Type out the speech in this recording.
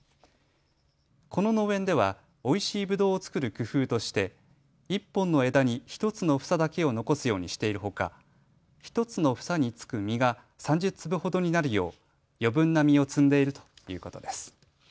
この農園ではおいしいぶどうを作る工夫として１本の枝に１つの房だけを残すようにしているほか、１つの房につく実が３０粒ほどになるよう余分な実を摘んでいるということです。